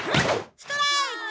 ストライク！